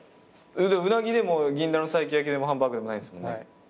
うなぎでも銀鱈の西京焼きでもハンバーグでもないんすもんね。